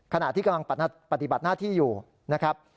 ขณะที่กำลังปฏิบัติหน้าที่อยู่นะครับ